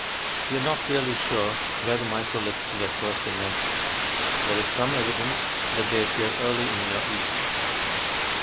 We are not really sure where the microliths were first invented. There is some evidence that they appear early in the Near East.